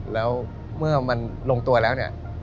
แล้วเมื่อมันลงตัวแล้วเนี่ย